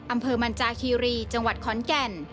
อำเภอมันจาคีรีจังหวัดขอนแก่น